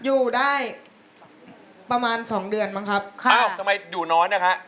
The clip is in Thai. อยู่ได้ประมาณสองเดือนมั้งครับค่ะอ้าวทำไมอยู่น้อยนะฮะ